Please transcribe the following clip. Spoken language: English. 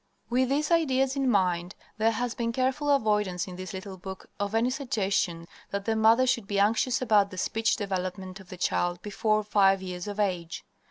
With these ideas in mind there has been careful avoidance in this little book of any suggestion that the mother should be anxious about the speech development of the child before five years of age.